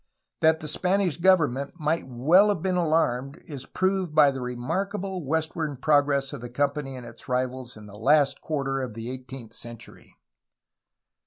That the Spanish government might well have been alarmed is proved by the remarkable westward progress of the company and its rivals in the last quarter of the eighteenth century.